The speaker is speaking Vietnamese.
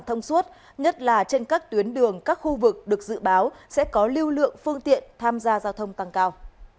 thông suốt nhất là trên các tuyến đường các khu vực được dự báo sẽ có lưu lượng phương tiện tham gia giao thông tăng cao